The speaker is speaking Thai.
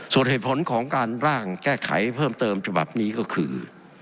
ส่วนเหตุผลของการร่างแก้ไขเพิ่มเติมฉบับนี้ก็คือ